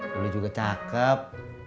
boleh juga cakep